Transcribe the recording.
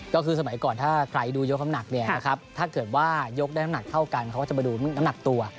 ก็คือสมัยก่อนถ้าใครดูยกน้ำหนักเนี่ยนะครับถ้าเกิดว่ายกได้น้ำหนักเท่ากันเขาก็จะมาดูน้ำหนักตัว